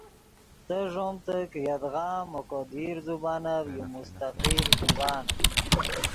تے ݱومتے کہ یدغا ام اوکو دیر زبانف یو مستقل زبان